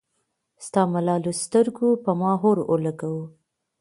ستا ملالو سترګو پۀ ما اور اولګوو